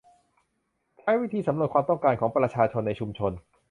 ใช้วิธีสำรวจความต้องการของประชาชนในชุมชน